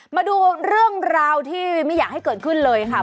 มาดูเรื่องราวที่ไม่อยากให้เกิดขึ้นเลยค่ะ